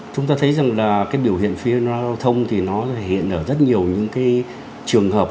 chúng ta thấy rằng là cái biểu hiện phi văn hóa giao thông thì nó hiện ở rất nhiều những trường hợp